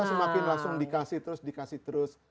kita semakin langsung dikasih terus dikasih terus